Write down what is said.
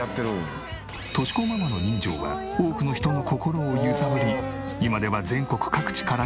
敏子ママの人情は多くの人の心を揺さぶり今では全国各地から支援が。